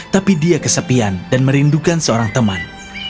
tapi dia kesepian dan merindukan seorang teman